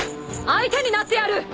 相手になってやる！